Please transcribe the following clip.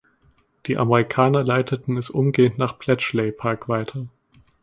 Die Amerikaner leiteten es umgehend nach Bletchley Park weiter.